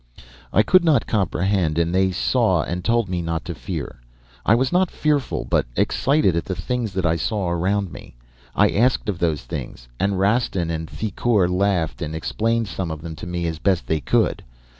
"I could not comprehend, and they saw and told me not to fear. I was not fearful, but excited at the things that I saw around me. I asked of those things and Rastin and Thicourt laughed and explained some of them to me as best they could.